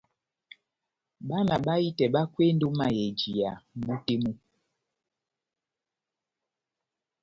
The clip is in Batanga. Bana bahitɛ bakwendi ó mayɛjiya mʼbú tɛ́ mú.